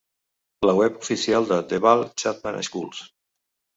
La web oficial de The Ball Chatham Schools.